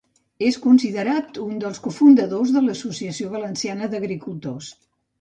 És considerat un dels cofundadors de l'Associació Valenciana d'Agricultors.